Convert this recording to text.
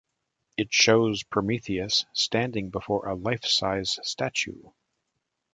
It shows Prometheus standing before a life-size statue.